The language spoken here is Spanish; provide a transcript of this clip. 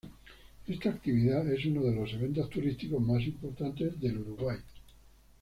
Esta actividad es uno de los eventos turísticos más importantes de Uruguay.